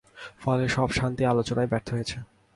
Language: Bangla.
ফলে সব শান্তি আলোচনাই ব্যর্থ হয়েছে।